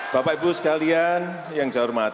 bapak ibu sekalian yang saya hormati